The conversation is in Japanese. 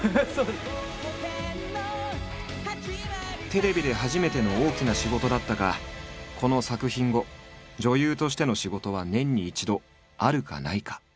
テレビで初めての大きな仕事だったがこの作品後女優としての仕事は年に一度あるかないか。